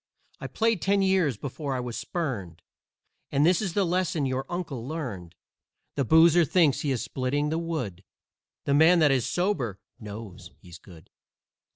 I played ten years before I was spurned, And this is the lesson your uncle learned: The boozer THINKS he is splitting the wood, The man that is sober KNOWS he's good.